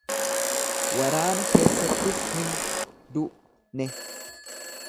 Waraana keessattis hin du'ne.